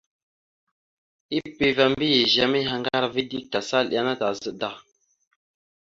Epeva mbiyez a mayahaŋgar ava dik, tasal iɗe ana tazaɗ da.